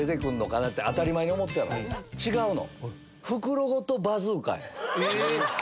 違うの。